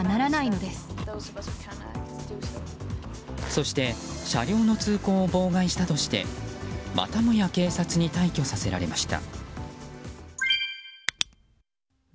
そして車両の通行を妨害したとしてまたもや警察に退去させられました。